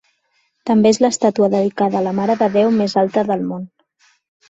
També és l'estàtua dedicada a la Mare de Déu més alta del món.